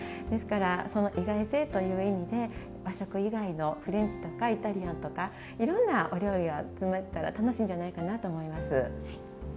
ですからその意外性という意味で和食以外のフレンチとかイタリアンとかいろんなお料理を詰めたら楽しいんじゃないかなと思います。